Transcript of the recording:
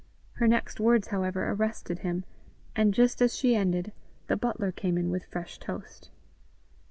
Her next words, however, arrested him, and just as she ended, the butler came in with fresh toast.